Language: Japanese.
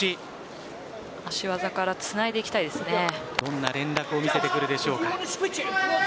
足技からどんな連絡を見せてくれるでしょうか。